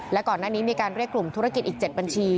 และก่อนหน้านี้มีการเรียกกลุ่มธุรกิจอีก๗บัญชี